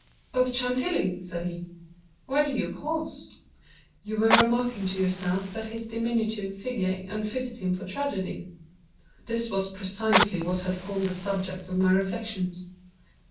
"—— of Chantilly," said he, "why do you pause? You were remarking to yourself that his diminutive figure unfitted him for tragedy." This was precisely what had formed the subject of my reflections.